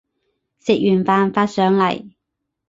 食完飯發上嚟